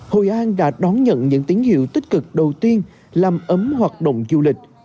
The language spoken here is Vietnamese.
hội an đã đón nhận những tín hiệu tích cực đầu tiên làm ấm hoạt động du lịch